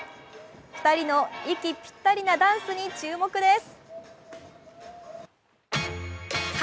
２人の息ぴったりなダンスに注目です。